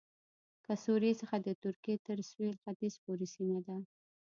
له سوریې څخه د ترکیې تر سوېل ختیځ پورې سیمه ده